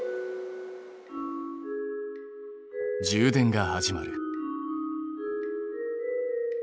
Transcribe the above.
充電が始まる。